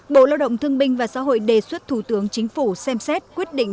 bộ lao động thương binh và xã hội đề xuất thủ tướng chính phủ xem xét quyết định